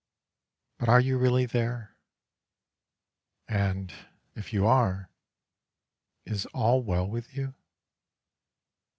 But are you really there, and, if you are, is all well with you?